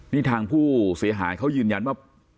นี่ทางผู้เสียหายเขายืนยันว่า